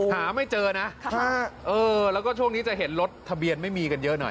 หาไม่เจอนะแล้วก็ช่วงนี้จะเห็นรถทะเบียนไม่มีกันเยอะหน่อย